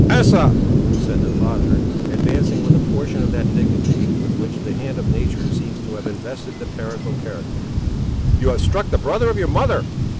"Asa," said the father, advancing with a portion of that dignity with which the hand of Nature seems to have invested the parental character, "you have struck the brother of your mother!"